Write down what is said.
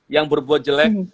yang berbuat jelek